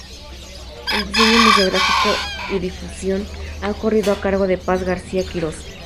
El diseño museográfico y difusión ha corrido a cargo de Paz García Quirós.